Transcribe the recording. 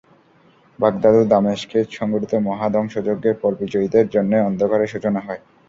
Baghdad ও দামেশকে সংঘটিত মহা ধ্বংসযজ্ঞের পর বিজয়ীদের জন্যে অন্ধকারের সূচনা হয়।